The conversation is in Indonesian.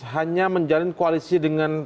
hanya menjalin koalisi dengan